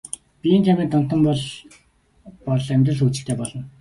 Биеийн тамирын донтон бол бол амьдрал хөгжилтэй болно.